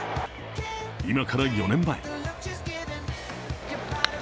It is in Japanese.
今から４年前。